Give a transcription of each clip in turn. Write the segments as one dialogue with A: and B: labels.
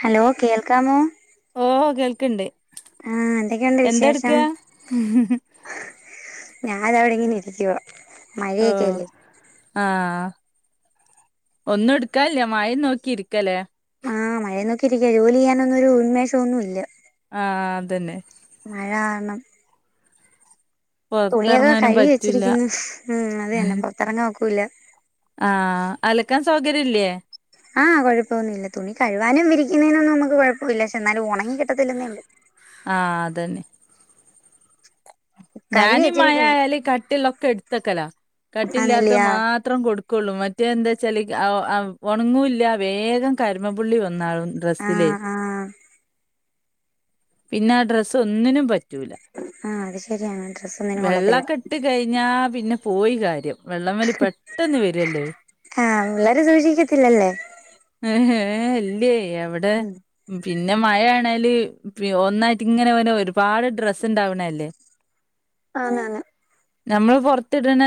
A: Hello കേൾക്കാമോ
B: ഓ കേൾക്കണ്ട്
A: ആഹ് എന്തൊക്കെയുണ്ട്
B: എന്ത്
A: വിശേഷം
B: എടുക്കാ
A: ഞാനവിടെ ഇങ്ങനെ ഇരിക്കുവാ
B: ഓ
A: മഴയക്കെയല്ലേ
B: ആഹ് ഒന്നും എടുക്കാനില്ല മഴേ നോക്കി ഇരിക്കലേ
A: ആഹ് മഴയും നോക്കി ഇരിക്കാ ജോലി ചെയ്യാനൊന്നൊരു ഉന്മേഷം ഒന്നുമില്ല
B: ആഹ് അതന്നെ
A: മഴ കാരണം തുണിയൊക്കെ
B: പൊറത്തെറങ്ങാനും
A: കഴിവി
B: പറ്റൂല്ല
A: വെച്ചിരിക്കുന്നു, ഉം അത് തന്നെ പുറത്തിറങ്ങാ ഒ ക്കൂല്ലാ
B: ആഹ് അലക്കാൻ സൗകര്യം ഇല്ലേ?
A: ആ, കുഴപ്പൊന്നുമില്ല തുണി കഴുവാനും വിരിക്കുന്നതിനൊന്നും നമുക്ക് കുഴപ്പമില്ല, പക്ഷെ എന്നാലും ഒണങ്ങി കിട്ടത്തില്ലെന്നേ ഉള്ളൂ
B: ആഹ് അതന്നെ
A: കഴുവി
B: ഞാനീ മഴ
A: വെച്ചിരിക്കുന്നു
B: ആയാല് കട്ടീളെളാക്കെ എടുത്തിക്കലാ കട്ടില്ലാത്ത
A: ആന്നില്ലിയോ
B: മാത്രം കൊടു ക്കുള്ളൂ മറ്റേ എന്താ വച്ചാല് ആഹ് ആഹ് ഒണങ്ങൂല്ല വേഗം കരിമ്പൻപുള്ളി വക്കും ഇന്നാളും ഡ്രസിലെ
A: ആഹ് ആഹ്
B: പിന്നെ ആ ഡ്രസ്സ് ഒന്നിനും പറ്റ് റ്റൂലാ
A: ആഹ് അത് ശരിയാണ് ഡ്രസ്സ് ഒന്നിനും കൊള്ളത്തില്ല
B: വെള്ളക്കെട്ട് കഴിഞ്ഞാ പിന്നെ പോയി കാര്യം വെള്ളംവലി പെട്ടെന്ന് വരുവല്ലേ
A: ആഹ് പിള്ളേര് സൂക്ഷിക്കത്തില്ലല്ലേ
B: ഏഹ് ഇല്ലേ എവിടെ
A: ഉം
B: പിന്നെ മഴയാണല് ഒന്നായിട്ട് ഇങ്ങനെ പോനെ ഒരുപാട് ഡ്രസ് ണ്ടാവണല്ലേ
A: ആന്നന്ന്
B: നമ്മള് പുറത്തിടണ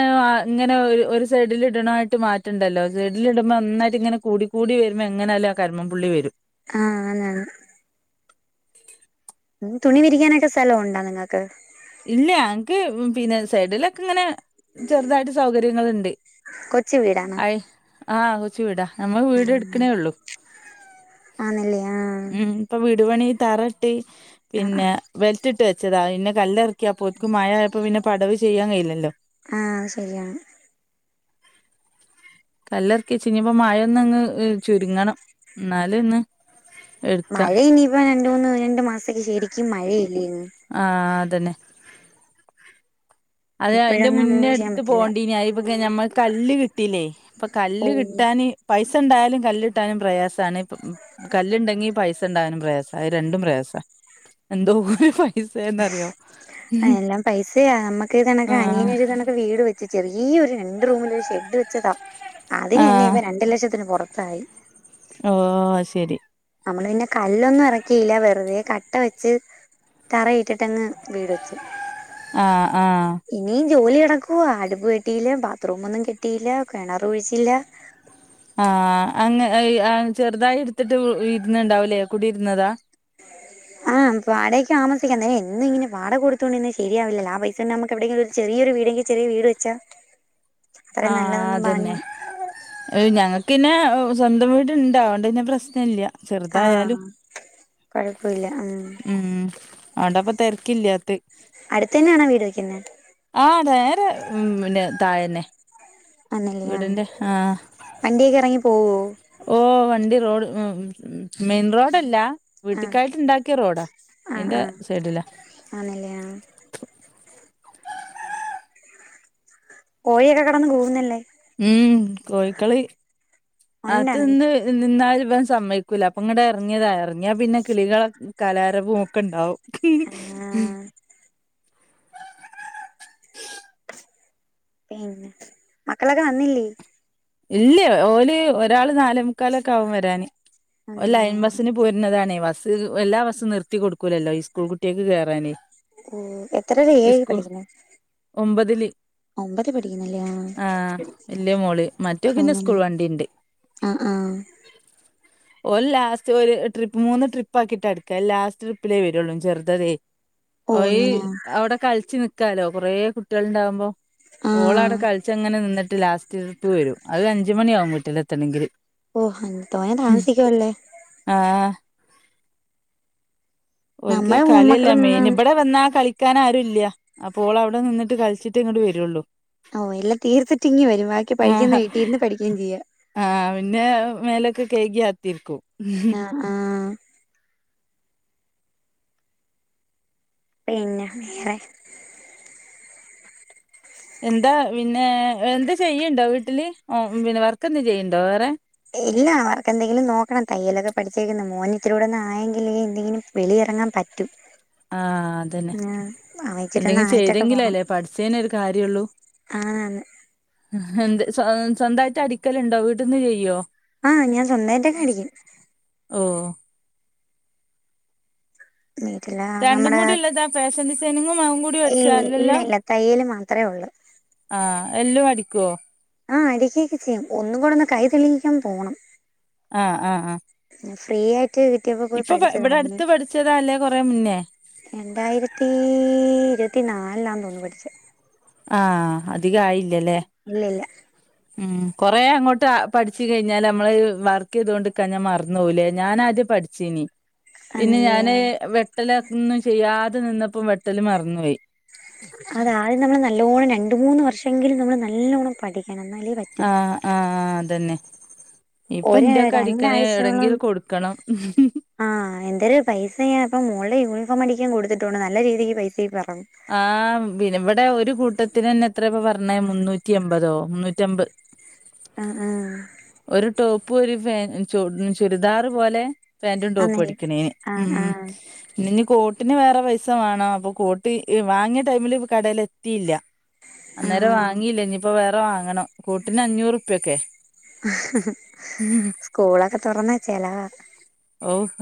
B: ഇങ്ങനെ ഒരു സൈഡിൽ ഇടണായിട്ട് മാറ്റണ്ടല്ലോ സൈഡിൽ ഇടുമ്പോൾ ന്നായിട്ട് ഇങ്ങനെ കൂടി കൂടി വരുമ്പോ എങ്ങനാലും ആ കർമ്മം പുള്ളി വരും
A: ആഹ് [unintelligible] തുണി വിരിക്കാനൊക്കെ സ്ഥലംണ്ടാ നിങ്ങൾക്ക്
B: ഇല്ല അൻക്ക് പിന്നെ സൈഡിലൊക്കെ ഇങ്ങനെ ചെറുതായിട്ട് സൗകര്യങ്ങളുണ്ട്
A: കൊച്ചു വീടാണോ
B: ആ ആഹ് കൊചുവിടാ നമ്മ വീട് എടുക്കണേ ഒള്ളു
A: ആന്നല്ലേ ആഹ്
B: ഉം ഇപ്പ വീ വീടുപണി തറെട്ട്
A: ആഹ്
B: പിന്നെ
A: ആഹ്
B: വെൽ വെച്ചതാ ഇന്ന് കല്ലെറി ക്ക പൊയ്ക്ക് മഴയായപ്പോ പിന്നെ പടവ് ചെയ്യാൻ കയില്ലല്ലോ
A: ആഹ് ശരിയാണ്
B: കല്ലെറിക്കിച്ച് ഇനിപ്പോ മഴൊന്ന് അങ്ങ് ചുരുങ്ങണം എന്നാലെ ഇന്ന്
A: മഴ ഇനിയിപ്പ രണ്ടൂന്ന് രണ്ടു മാസം ശരിക്കും മഴേ
B: ആഹ് അ തന്നെ അത് അയിന്റെ
A: ഇപ്പോഴൊന്നും
B: മുന്നേ
A: ചെയ്യാൻ
B: എടുത്ത്
A: പറ്റില്ല
B: പോവണ്ടി ഇനി അ ല്ല ഞമ്മക് കല്ല് കിട്ടീല്ലേ ഇപ്പൊ കല്ല്
A: ഓഹ്
B: കിട്ടാന് പൈസ ഉണ്ടാ കല്ലിട്ടാനും പ്രയാസാണ് കല്ലിണ്ടെങ്കി പൈസ ഇണ്ടകാനും പ്രയാസാ അത് രണ്ടും പ്രയാസാ എന്തോ [unintelligible] സയേതെന്നറിയാവൊ
A: ഇതേ കണക്ക് അനിയനൊരു കണക്ക് വീട് വെച്ച് ചെറി ഈ ഒരു രണ്ട് റൂമിൽ ഒരു ഷെഡ് വെച്ചതാ
B: ആ
A: അതിനന്നെ ഇപ്പൊ രണ്ടു ലക്ഷത്തിന് പുറത്തായി
B: ഓ അത് ശരി
A: നമ്മള് പിന്നെ കല്ലൊന്നും ഇറക്കില്ല വെറുതെ കട്ട വെച്ച് തറയിട്ടിട്ടങ്ങ് വീട് വെച്ച്
B: ആഹ് ആഹ്
A: ക്കുവാ അടുപ്പ്‌ കെട്ടിയില്ല ബാത്റൂം ഒന്നും കെട്ടിയില്ല കിണറ് കുഴിച്ചില്ല
B: ആഹ് അങ്ങ് ചെറുതായി എടുത്തിട്ട് ഇരുന്നുണ്ടാവിലേ കുടിയിരുന്നതാ
A: ആഹ് വാടകയ്ക്ക് താമസിക്കണ്ട് എന്നും ഇങ്ങനെ വാടക കൊടുത്തുകൊണ്ടിരുന്നാ ശരിയാവില്ലല്ലാ ആ പൈസ ഉണ്ടെ നമുക്ക് എവിടെങ്കിലും ഒരു ചെറിയൊരു വീടെങ്കിൽ ചെറിയ വീട് വെച്ചാ അത്രയും
B: ആഹ്
A: നല്ലതെന്നും പറഞ്ഞു
B: അതന്നെ ഞങ്ങക്കിന്നെ ഓ സ്വന്തം വീട് ഇണ്ട് അതുകൊണ്ട് പിന്നെ പ്രശ്ന ഇല്യ
A: ആഹ് കുഴപ്പ ഇല്ല ആഹ്
B: ആണ്ടാ ഇപ്പൊ തിരക്കില്ലാത്തെ
A: അടുത്ത് തന്നെയാണോ വീട് വയ്ക്കുന്നെ
B: ആ നേരെ മിന്നെ തായെന്നെ
A: ഒന്നൂല്ല ഞാ വണ്ടിയൊക്കെ ഇറങ്ങി പോവോ?
B: ഓ വണ്ടി റോഡ് മെയിൻ റോഡല്ല
A: ആഹ്
B: വീട്ടിക്കായിട്ട് ഇണ്ടാക്കിയ റോഡാ
A: ആഹ്
B: അതിന്റെ
A: ആഹ്
B: സൈഡിലാ
A: ആന്നല്ലേ ആഹ് കോയിയൊക്കെ കിടന്ന് കൂവുന്നല്ലൊ
B: ഉം കോഴിക്കള്
A: ഒണ്ടാ
B: ആത്ത്
A: നിനക്ക്
B: ന്ന് നിന്നാലും ഇവൻ സമ്മയ്ക്കൂല്ല അപ്പൊ ഇങ്ങട് ഇറങ്ങിയതാ ഇറങ്ങിയാ പിന്നെ കിളികളെ കലാരപ്പും ഒക്കെ ഉണ്ടാവും ഹി ഹി
A: ആഹ് പിന്ന മക്കളോക്കെ വന്നില്ലേ?
B: ഇല്ല ഓല് ഒരാൾ നാലെ മുക്കാലൊക്കെ ആകും വരാന് ഓൻ
A: വന്നില്ലേ
B: ലൈൻ
A: ആഹ്
B: ബസ്സിന് പോരുന്നതാണ് ഈ ബസ് എല്ലാ ബസ്സൊന്നും നിർത്തി കൊടുക്കൂലല്ലോ ഈ സ്കൂൾ കുട്ടിയേക്ക് കേറാനേ
A: ഉ എത്രലാ ഏഴിൽ
B: സ്കൂൾ
A: പഠിക്കണ
B: ഒമ്പതില്
A: ഒമ്പത് പഠിക്കുന്നല്യാ
B: റ്റകിന്ന സ്കൂൾ വണ്ടിണ്ട്
A: ആഹ്
B: ഓ ലാസ്റ്റ് ഒരു ട്രിപ്പ് മൂന്ന് ട്രിപ്പ് ആക്കിട്ട് ഇടുക്ക ലാസ്റ്റ് ട്രിപ്പിലേ വരുള്ളൂ ചെറുതതേ
A: ഓഹ്
B: ഓയി
A: അങ്ങനെയാ
B: അവിടെ കളിച്ചു നി കളിക്കാലോ കൊറേ കുട്ടിയൾ ഉണ്ടാവുമ്പോ
A: ആഹ്
B: ഓളാടെ കളിച്ച് എങ്ങനെ നിന്നിട്ട് ലാസ്റ്റ് ഇപ്പ വരും അതഞ്ച് മണിയാവും വീട്ടിലെത്തണെങ്കിൽ
A: ഓ തോന്നെ താമസിക്കുവല്ലേ
B: ആഹ് ഓൽക്ക്
A: നമ്മളെ
B: കളിയല്ലേ മെയിൻ
A: മക്കളൊന്നും
B: ഇവിടെ വന്നാ കളി കളികിക്കാൻ ആരുല്ല അപ്പോൾ അവിടെ നിന്നിട്ട് കളിച്ചിട്ട് ഇങ്ങോട്ട് വേരോള്ളൂ
A: ഓ എല്ലാം തീർത്തിട്ടിങ്ങി വരും ബാക്കി
B: ആ
A: പഠിക്കന്ന് വീട്ടിന്ന് പഠിക്കയും ചെയ്യാ
B: ആ പിന്നെ മേലൊക്കെ കൈകി ആത്തിരിക്കും ഉം
A: ആഹ് ആഹ് പിന്നേ വേറെ
B: എന്താ പിന്നെ എന്താ ചെയ്യ്ണ്ടോ വീട്ടില് പിന്നെ വർക്ക് എന്തേ ചെയ്യുന്നുണ്ടോ വേറെ
A: എല്ല വർക്കെന്തെങ്കിലും നോക്കണം തയ്യലൊക്കെ പഠിച്ചിരിക്കുന്ന മോന് ഇത്തിരിയൂടെ ഒന്ന് ആയെങ്കില് എന്തെങ്കിലും വെളിയിറങ്ങാൻ പറ്റും
B: ആഹ അതന്നെ
A: ആഹ് അവൻ ഇച്ചിരി ഒന്ന്
B: എന്തെങ്കി
A: ആയിട്ടൊക്കെ
B: ചെയ്തെങ്കില
A: പോണം
B: അല്ലേ പഠിച്ചേനെ ഒരു കാര്യള്ളൂ
A: ആണാണ്
B: എന്ത് സ്വന്തമായിട്ട് അടിക്കലുണ്ടോ വീട്ട്ന്ന് ചെയ്യോ
A: ആഹ ഞാൻ സ്വന്തമായിട്ടൊക്കെ അടിക്കും
B: ഓ രണ്ടും കൂടിള്ളതാ ഫാഷൻ സന [inaudible]
A: ഇ ഇല്ല ഇല്ല തയ്യൽ മാത്രമേ ഉള്ളു
B: എല്ലാം അടിക്കോ
A: ആ അടീക്കൊക്കെ ചെയ്യും ഒന്ന കൂടെ ഒന്ന് കൈ തെളിയിക്കാൻ പോണം
B: ആഹ ആഹ് ആഹ
A: ഫ്രീ ആയിട്ട് വീട്ടിലിരിക്കുമ്പോൾ പഠിച്ചതാഴിരുന്നു
B: അടുത്ത് പഠിച്ചതാ അല്ലേ കൊറെ മുന്നേ
A: രണ്ട് അഴിരതി ഇരു ഇരുപത്തി നാല് ആണെന്ന് തോന്നുന്നു പിഠിച്ചത്
B: ആഹ അധികമായില്ല
A: ഇല്ല ഇല്ല.
B: ഉം കൊറെ അങ്ങോട്ട് അ പഠിച്ചു കഴിഞ്ഞാല് അമ്മള് വർക്ക് ചെയിതോണ്ട് നിക്കാഞ്ഞ മറന്ന് പോവില്ലേ, ഞാനാദ്യം പഠിച്ചീനി. പിന്നെ
A: ആന്നില്ലയോ
B: ഞാന് വെക്ക് ല് ഒന്നും ചെയ്യാതെ നിന്നപ്പം വെട്ടല് മറന്നുപയി.
A: അത് ആദ്യം നമ്മള് നല്ലോണം രണ്ട് മൂന്ന് വർഷെങ്കിലും നമ്മൾ നല്ലോണം പഠിക്ക്
B: ആഹ് ആഹ് അത് തെന്നെ
A: ഒര് രണ്ടാഴ്ച്ചയോളം
B: കൊടുക്കണം
A: ആ എന്തൊരു പൈസയാ ഇപ്പം മോൾടെ യൂണി ഫോമടിക്കാൻ കൊടുത്തിട്ടുണ്ട് നല്ല രീതിക്ക് പൈസേം പറ
B: ആഹ് പിന്നെ ഇവിട് ഒരു കൂട്ടത്തിന് തന്നെ എത്രയാപ്പ പറഞ്ഞേ മുന്നൂറ്റി എമ്പതോ മുന്നൂറ്റി അമ്പത്
A: ആ ആ
B: ഇപ്പൊ ഒരു ഫെ ച്ചു ചുരിദാർ പോലെ പാന്റും ടോപ്പും
A: ആന്നല്ലേ
B: അടിക്കണേന് ഉം
A: ആഹ് ആഹ്
B: ഇന്ന് ഞ്ഞി കോ പിന്നെ വേറെ പൈസ മാണം അപ്പ കോട്ട് ട്ട് വാങ്ങിയ ടൈമില് കടെൽ എത്തിയില്ല. അന്നേരം
A: ആഹ്
B: വാങ്ങിയില്ല ഇനിപ്പോ വേ വേറെ വാങ്ങണം കൂട്ടിന് അഞ്ഞൂർപ്പിയ കെ
A: സ്കൂളൊക്കെ തുറന്നാ ചെലവാ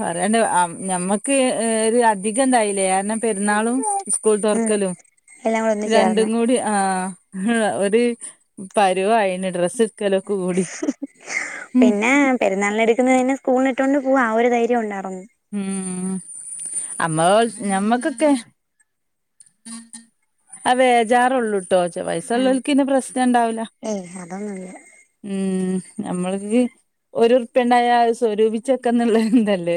B: പറയണ്ട ആ ഞമ്മക്ക് ഹ് ഒരു അധികം ന്തായില്ലേ കാരണം പെരുന്നാളും സ്കൂൾ
A: ഉം
B: തുറക്കലും
A: എല്ലാം കൂടെ ഒന്ന് ചേർന്ന്
B: രണ്ടും കൂടി ആ ഒരു പരുവ ആയീന് ഡ്രസ്സ് എടുക്കലൊക്കെ കൂടി ഉം
A: പിന്നെ പെരുന്നാളിനെടുക്കുന്നത് തന്നെ സ്കൂളിന്ട്ടോണ്ട് പോവാ ആ ഒരു ധൈര്യ ര്യം ഉണ്ട
B: ഉം അമ്മോ ഞമ്മക്കൊക്കെ ആ വേജാറള്ളൂ. ടോച്ച
A: ആഹ്
B: വയസ്സുള്ളോൽക്ക് പിന്നെ പ്രശ്നണ്ടാവില്ല
A: ഏയ് അതൊന്നുല്ല
B: ഉം നമ്മൾക്ക് ഒരു ർപ്പ്യണ്ടായ അത് സ്വരൂപിച്ചൊക്കന്നുള്ള തല്ലേ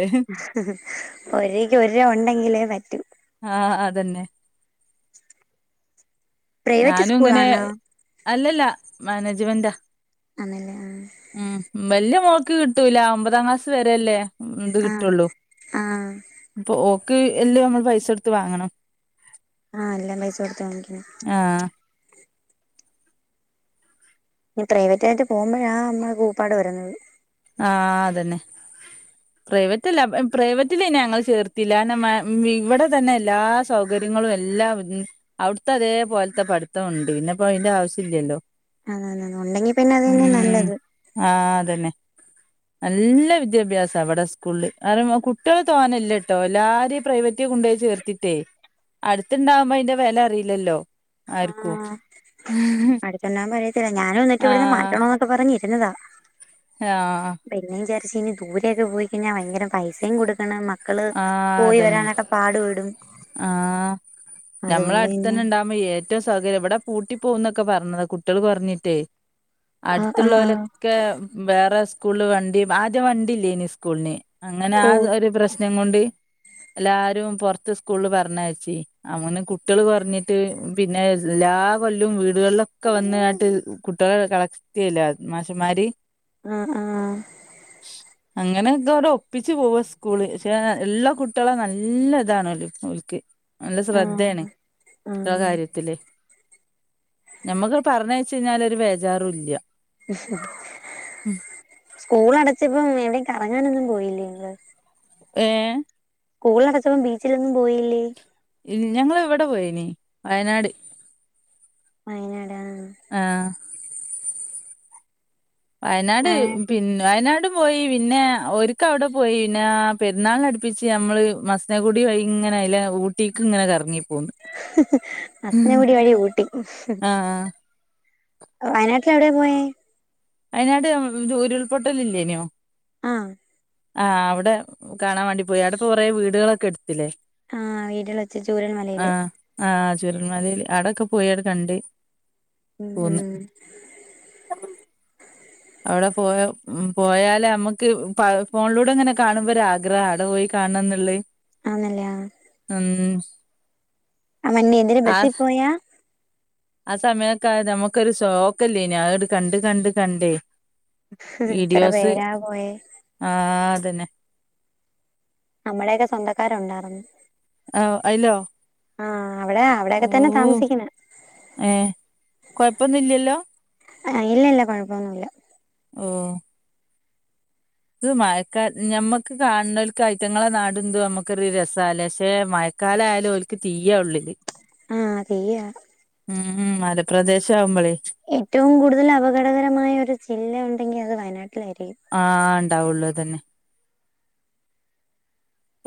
A: ഒരുയ്ക്കു ഒരിരൂപ ഒണ്ടെങ്കിലേ പറ്റൂ
B: ആഹ് അതന്നെ
A: പ്രൈവറ്റ്
B: ഞാനൂങ്ങനെ
A: സ്കൂളാണോ
B: അല്ലല്ല. മാനേജ്മെൻ്റാ.
A: ആന്നല്ലേ
B: ഉം വല്യ മോക്ക്കിട്ടൂല ഒമ്പതാം ക്ലാസ് വരെ അല്ലേ ഇത്
A: ആഹ്
B: കിട്ടുള്ളൂ
A: ആഹ്
B: പ്പൊ ഓ ക്ക് എല്യ നമ്മള് പൈസെടുത്ത് വാങ്ങണം
A: ആഹ് എല്ലാം പൈസൊടുത്തു വാങ്ങിക്കണം
B: ആഹ
A: പ്രൈവറ്റായിട്ട് പോകുമ്പോഴാ നമ്മെ കൂപ്പാട് വരുന്നത്
B: ആ അതന്നെ പ്രൈവറ്റല്ല പ്രൈവറ്റില ഞങ്ങൾ ചേർത്തില്ല നമ്മ ഇവിടെ തന്നെ എല്ലാ സൗകര്യങ്ങളും എല്ലാം അവിടുത്തെ അതേ പോലത്തെ പഠിത്തണ്ട് പിന്നെപ്പോ അതിന്റെ ആവശ്യം ഇല്ലല്ലോ
A: അതതെ ഉണ്ടെങ്കി പിന്നെ അതന്നെ നല്ലത്
B: ആഹ അതന്നെ നല്ല വിദ്യാഭ്യാസം അവിടെ സ്കൂളില് കാരണം കുട്ടികൾ തോന്നല്ലട്ടോ എല്ലാരും പ്രൈവറ്റ് കൊണ്ടുപോയി ചേർത്തിട്ടേ അടുത്തുണ്ടാവുമ്പോ അതിൻ്റെ വില അറിയില്ലല്ലോ ആരിക്കും
A: അടുത്തൊണ്ടവുമ്പോ അറിയത്തില്ല ഞാനു എന്നി എന്നിട്ടിവിടുന്ന് മാറ്റണോന്നക്കെ പറഞ്ഞ് പിന്നതാ
B: ആഹ
A: പക്ഷേ ഇനി ദൂരെക്കെ പോയികഴിഞ്ഞാ ഭയങ്കര പൈസയും കൊടുക്കണം മക്ക
B: ആ അതന്നെ ആഹ നമ്മള
A: അതുകൊണ്ട് പിന്നെ
B: അടുത്തന്നെ ഇണ്ടാവുമ്പോ ഏറ്റവും സൗകര്യം ഇവിടെ പൂട്ടി പോകന്നൊക്കെ പറഞ്ഞത കുട്ടികൾ കൊറഞ്ഞിട്ടേ
A: ആഹ് ആഹ്
B: അടുത്തുള്ളവരൊക്കെ വേറെ സ്കൂള് വണ്ടി ആദ്യം വണ്ടി ഇല്ലേനി സ്കൂളിന് അങ്ങനെ
A: ഓ
B: ആ ഒരു പ്രശ് പ്രശ്ന കൊണ്ട് എല്ലാരും പൊറത്ത് സ്കൂളിൽ പറഞ്ഞയച്ചി അങ്ങനെ കുട്ടികള് കുറഞ്ഞിട്ട് പിന്നെ എല്ലാ കൊല്ലും വീടുകളിലൊക്കെ വന്നങ്ങട്ട് കുട്ടികള കളക്റ്റ് ചെയല മാഷന്മാര്
A: ആഹ ആഹ
B: അങ്ങനെയൊക്കെ അവിടെ ഒപ്പിച്ച് പോവാ സ്കൂള് പക്ഷ എല്ലാ കുട്ടികളെ നല്ല ഇതാണ് ഓൽക്ക് നല്ല ശ്രദ്ധയാണ്
A: ആഹ്
B: എല്ലാ
A: ആഹ്
B: കാര്യത്തില് നമ്മുക്ക് പറഞ്ഞ വെച്ച കഴിഞ്ഞാൽ ഒരു ബേജാറും ഇല്ല
A: സ്കൂൾ അടച്ചപ്പം എവിടെ കറങ്ങാനൊന്നും പോയി ഫീലിംങ്ങ്
B: ഏഹ
A: സ്കൂൾ അടച്ചപ്പോൾ ബീച്ചിലൊന്നും പോയില്ലേ?
B: ഇ ഞങ്ങൾ ഇവിടെ പോയി വയനാട്
A: അങ്ങനെ
B: ആഹ വയനാട്
A: വയനാട്ടിൽ
B: പിന്നെവയനാട് പോയി പിന്നെ ഒക്ക അവിടെ പോയി പിന്നെ പെരുന്നാളിന അടിപ്പിച്ച് നമ്മള് മസനകുടി വൈ ഇങ്ങനെ അല്ല ഊട്ടിക്ക് ഇങ്ങനെ കറങ്ങി പോന്ന്
A: മസന ഗുടി വഴി ഊട്ടി
B: ആഹ്
A: വയനാട്ടിൽ എവിടെയ പോയേ
B: വയനാട് തു ഉരുൾപൊട്ടലില്ലേന്യോ?
A: ആഹ്
B: ആഹ് അവിടെ കാണാൻ വേണ്ടി പോയി അവിടപ്പൊ കൊറേ വീടുകളൊക്കെ എട് ത്തിലേ
A: ആഹ് വീട്ടിൽ വെച്ച് ചൂരൽ മലയില്
B: ആഹ് ആഹ് ചൂരൽ മലേല് ആടൊക്കെ പോയാട് കണ്ട്
A: ഉം
B: പോന്ന്
A: ഉം
B: അവിടെ പോയ പോയാല് നമ്മക്ക് ഫോണിലൂടെ ഇങ്ങനെ കാണുമ്പോ ഒരു ആഗ്രഹാ അവടെ പോയി കാണണംന്ന്ള്ളഅ്
A: ആന്നല്ലേ, ആ
B: ഉം
A: അവ ന്നീ എന്തര്
B: ആ
A: ബസ്സീ പോയാ
B: ആ സമയൊക്കെ ആയാ നമക്കൊരു ഷോക്കല്ലേനോ അതണ്ട് കണ്ട് കണ്ട് കണ്ടേ
A: എത്ര
B: വീഡിയോസ്,
A: പേരാ പോയേ
B: ആ അതന്നെ
A: നമ്മളെയൊക്കെ സ്വന്തക്കാരുണ്ടാർന്നു.
B: ആഹ് അയിലോ
A: ആഹ് അവിടെ
B: ഓ
A: അവിടെയൊക്കെ തന്നെ താമസിക്കുന്നെ
B: ഏ കൊഴപ്പൊന്നുല്ലല്ലോ
A: ആ ഇല്ല ഇല്ല കൊഴപ്പൊന്നുല്ല
B: ഓ അ മക്ക ഞമ്മക്ക് കാണുന്നോൽക്ക് ഐറ്റങ്ങളെ നാടതു നമ്മുക്കറ രസാലെ മേ മയക്കായാലും ഒല്ക്ക് തീ യാ ഉള്ളില്
A: ആ തീയാ
B: ഉം ഉം മലപ്രദേശം ആവുമ്പഴേ
A: ഏറ്റവും കൂടുതൽ അപകടകരമായ ഒരു ജില്ല ഉണ്ടെങ്കി അത് വയനാട
B: ആ ഉണ്ടാവുള്ളൂ അതന്നെ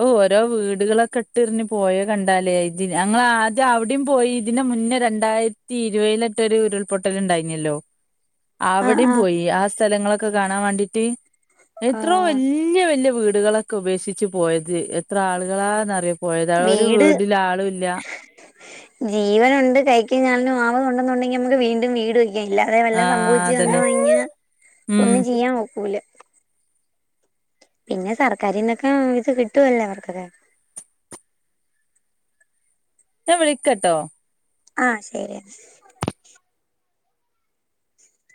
B: ഓഹ് ഓരോ വീടുകളൊക്കെ ഇട്ട് ഇറിഞ്ഞ് പോയ കണ്ടാലേ ഇത് ഞങ്ങളാദ്യം അവിടെയും പോയി ഇതിന് മുന്നേ രണ്ടായിരത്തി ഇരുപതിലൊരു മറ്റൊരു ഉരുൾപൊട്ടല് ഉണ്ടായീനല്ലോ
A: ആഹ്
B: അവിടെയും
A: ആഹ്
B: പോയി ആ സ് സ്ഥലങ്ങളൊക്കെ കാണാൻ വേണ്ടീട്ട് എത്രോ
A: ആഹ്
B: വല്യ വല്യ വീട് ടുകളൊക്കെ ഉപേക്ഷിച്ച് പോയത് എത്ര ആളുകളാന്നറിയോ പോയത് ആ ഒരു
A: വീട്
B: വീടില് ആളുവില്ല
A: ജീവനുണ്ട് കൈക്കും കാലിനും ആവതുണ്ടെന്നുണ്ടെങ്കി നമക്ക് വീണ്ടും വീട് വെയ്ക് ഇല്ലാതെ വല്ലതും
B: ആഹ്
A: സംഭവിച്ച് വന്ന്
B: അതന്നെ
A: കഴിഞ്ഞാ
B: ഉം
A: ഒന്നും ചെയ്യാനൊക്കൂല പിന്നെ സർക്കാരിന്നൊക്കെ ഇത് കിട്ടുവല്ലോ അവർക്കൊക്കെ
B: ഞാൻ വിളിക്കട്ടോ
A: ആഹ് ശരിയെന്നാ